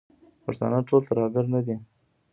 پښتانه ټول ترهګر نه دي.